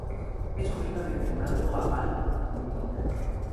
Es sobrino de Fernando Abal Medina.